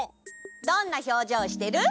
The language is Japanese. どんなひょうじょうしてる？